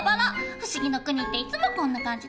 不思議の国っていつもこんな感じね。